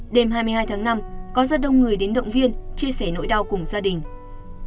đêm hai mươi hai tháng năm có rất đông người đến động viên chia sẻ nỗi đau cùng gia đình